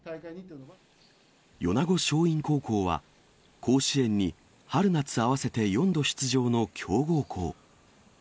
米子松蔭高校は、甲子園に春夏合わせて４度出場の強豪校。